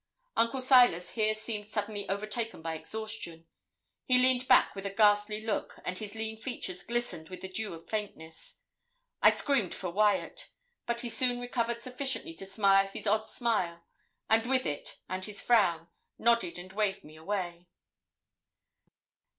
Uncle Silas here seemed suddenly overtaken by exhaustion. He leaned back with a ghastly look, and his lean features glistened with the dew of faintness. I screamed for Wyat. But he soon recovered sufficiently to smile his odd smile, and with it and his frown, nodded and waved me away.